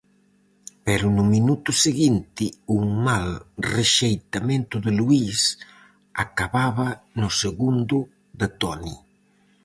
Pero no minuto seguinte un mal rexeitamento de Luís acababa no segundo de Toni.